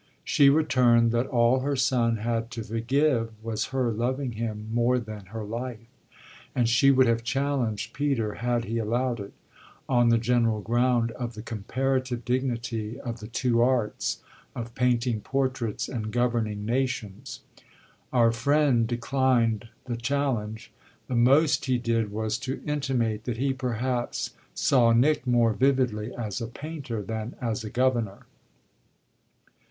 She returned that all her son had to forgive was her loving him more than her life, and she would have challenged Peter, had he allowed it, on the general ground of the comparative dignity of the two arts of painting portraits and governing nations. Our friend declined the challenge: the most he did was to intimate that he perhaps saw Nick more vividly as a painter than as a governor.